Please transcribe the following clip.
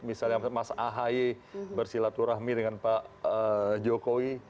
misalnya mas ahy bersilaturahmi dengan pak jokowi